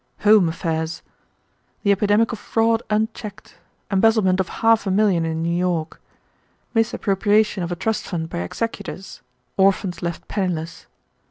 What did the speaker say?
"HOME AFFAIRS. The epidemic of fraud unchecked. Embezzlement of half a million in New York. Misappropriation of a trust fund by executors. Orphans left penniless.